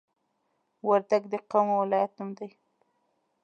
وردګ د قوم او ولایت نوم دی